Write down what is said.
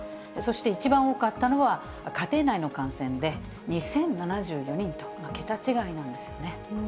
そして一番多かったのは、家庭内の感染で２０７４人と、桁違いなんですね。